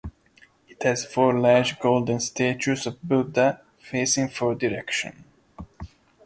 It has four large golden statues of Buddha facing four directions.